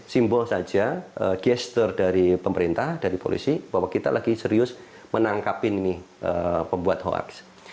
simbol saja gesture dari pemerintah dari polisi bahwa kita lagi serius menangkap ini pembuat hoax